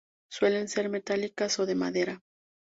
Suelen ser metálicas o de madera.